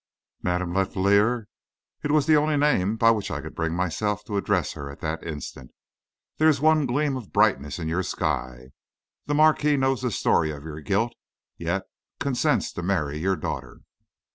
"Madame Letellier" it was the only name by which I could bring myself to address her at that instant "there is one gleam of brightness in your sky. The marquis knows the story of your guilt, yet consents to marry your daughter."